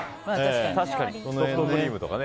ソフトクリームとかね